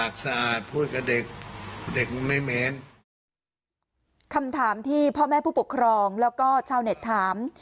คำถามที่พ่อแม่ผู้ปกครองแล้วก็ชาวเน็ตถาม